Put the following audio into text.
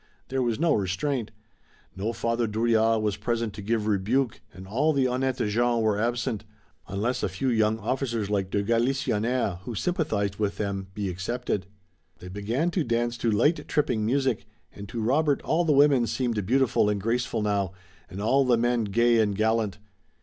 There was no restraint. No Father Drouillard was present to give rebuke and all the honnêtes gens were absent, unless a few young officers like de Galisonnière, who sympathized with them, be excepted. They began to dance to light, tripping music, and to Robert all the women seemed beautiful and graceful now, and all the men gay and gallant.